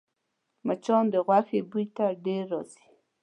مچان د غوښې بوی ته ډېر راځي